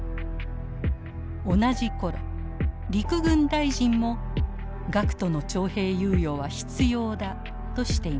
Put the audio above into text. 同じ頃陸軍大臣も学徒の徴兵猶予は必要だとしていました。